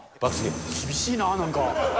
厳しいなあ、なんか。